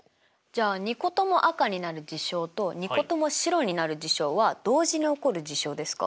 じゃあ２個とも赤になる事象と２個とも白になる事象は同時に起こる事象ですか？